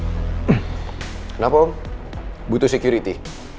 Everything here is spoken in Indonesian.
kenapa om butuh security